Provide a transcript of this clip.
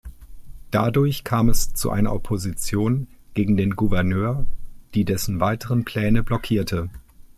Dadurch kam es zu einer Opposition gegen den Gouverneur, die dessen weitere Pläne blockierte.